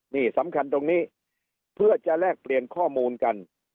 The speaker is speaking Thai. นี่สำคัญตรงนี้เพื่อจะแลกเปลี่ยนข้อมูลกัน